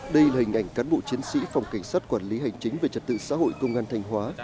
đây là hình ảnh cán bộ chiến sĩ phòng cảnh sát quản lý hành chính về trật tự xã hội công an thành hóa